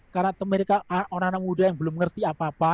karena mereka orang orang muda yang belum mengerti apa apa